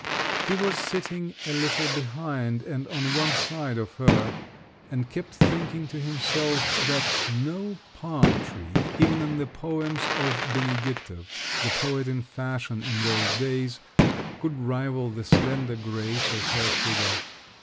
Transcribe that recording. He was sitting a little behind and on one side of her, and kept thinking to himself that no palm tree, even in the poems of Benediktov—the poet in fashion in those days—could rival the slender grace of her figure.